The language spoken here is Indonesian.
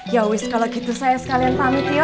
ya wis kalau gitu saya sekalian pamit ya